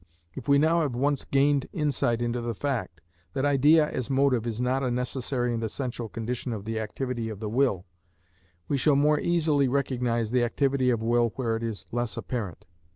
If now we have once gained insight into the fact, that idea as motive is not a necessary and essential condition of the activity of the will, we shall more easily recognise the activity of will where it is less apparent.